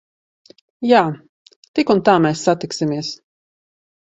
Jā. Tik un tā mēs satiksimies.